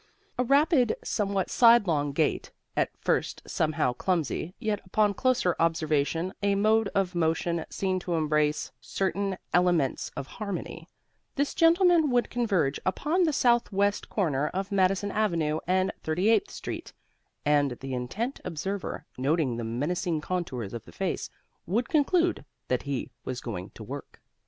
With a rapid, somewhat sidelong gait (at first somehow clumsy, yet upon closer observation a mode of motion seen to embrace certain elements of harmony) this gentleman would converge upon the southwest corner of Madison avenue and 38th street; and the intent observer, noting the menacing contours of the face, would conclude that he was going to work.